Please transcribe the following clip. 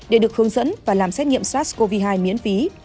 để được hướng dẫn và làm xét nghiệm sars cov hai miễn phí